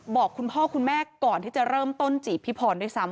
บอกคุณพ่อคุณแม่ก่อนที่จะเริ่มต้นจีบพี่พรด้วยซ้ำ